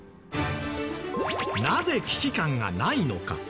なぜ危機感がないのか？